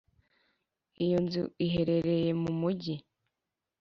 Iyo nzu iherereye mu Mujyi